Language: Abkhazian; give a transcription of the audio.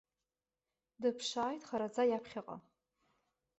Дыԥшааит хараӡа иаԥхьаҟа.